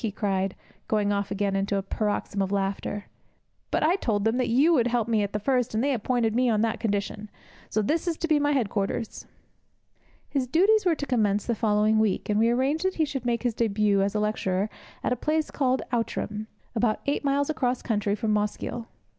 he cried, going off again into a paroxysm of laughter. 'But I told them that you would help me at the first, and they appointed me on that condition. So this is to be my head quarters!' His duties were to commence the following week, and we arranged that he should make his debut as a lecturer at a place called Outram, about eight miles across country from Mosgiel.